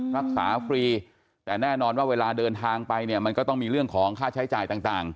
รักษาฟรีแต่แน่นอนว่าเวลาเดินทางไปเนี่ยมันก็ต้องมีเรื่องของค่าใช้จ่ายต่าง